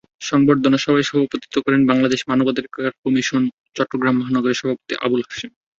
সংবর্ধনা সভায় সভাপতিত্ব করেন বাংলাদেশ মানবাধিকার কমিশন চট্টগ্রাম মহানগরের সভাপতি আবুল হাশেম।